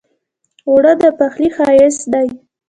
اوړه د پخلي ښايست دی